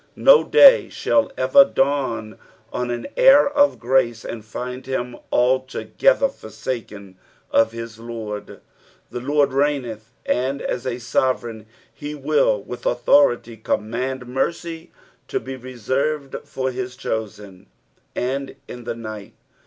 No day shall ever dawn OQ an heir of grace ana find him altogether forsaken of his Lord : the Lord reigneth, and as a sorereign he will with authority command mercy to b« reserved for his chosen. "And in the night."